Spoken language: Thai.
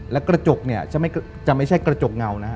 และกระจกจะไม่ใช่กระจกเงานะ